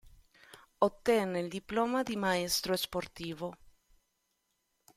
Ottenne il diploma di maestro sportivo.